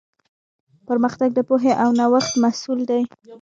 پرمختګ د پوهې او نوښت محصول دی.